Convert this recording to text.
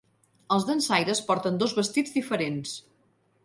Els dansaires porten dos vestits diferents.